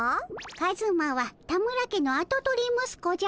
カズマは田村家のあと取りむすこじゃ。